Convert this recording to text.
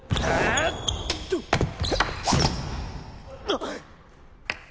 あっ！